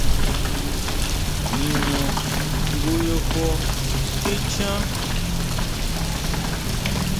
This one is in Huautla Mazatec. ¿Niñu ngoyo tichján?